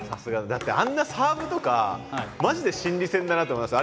だってあんなサーブとかマジで心理戦だなと思います。